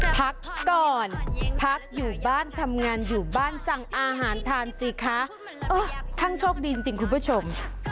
พักก่อนพักอยู่บ้านทำงานอยู่บ้านสั่งอาหารทานสิคะท่านโชคดีจริงคุณผู้ชม